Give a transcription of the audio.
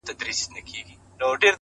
هره ورځ نوې فرصت دی،